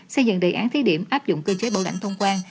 xây dựng đề án thí điểm áp dụng cơ chế bảo lãnh thông quan